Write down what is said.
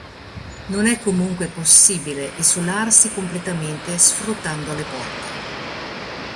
Non è comunque possibile isolarsi completamente sfruttando le porte.